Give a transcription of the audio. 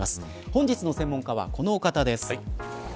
本日の専門家は、このお方です。